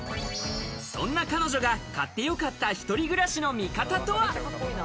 そんな彼女が買ってよかった、一人暮らしの味方とは？